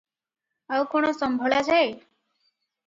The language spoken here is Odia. ଆଉ କଣ ସମ୍ଭଳା ଯାଏ?